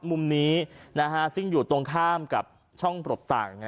มุมนี้ซึ่งอยู่ตรงข้ามกับช่องปลดต่าง